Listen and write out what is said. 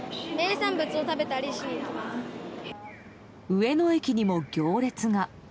上野駅にも行列が。